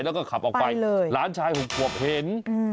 แล้วก็ขับออกไปหลานชาย๖ขวบเห็น